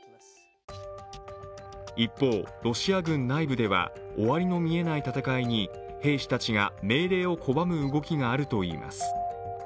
一方、ロシア軍内部では終わりの見えない戦いに兵士たちが命令を拒む動きがあるといいます。